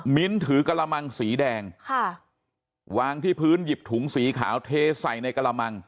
ถือกระมังสีแดงค่ะวางที่พื้นหยิบถุงสีขาวเทใส่ในกระมัง